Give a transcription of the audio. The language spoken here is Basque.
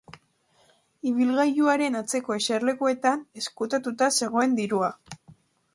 Ibilgailuaren atzeko eserlekuetan ezkutatuta zegoen dirua.